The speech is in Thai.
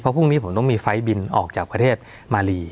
พรุ่งนี้ผมต้องมีไฟล์บินออกจากประเทศมาลี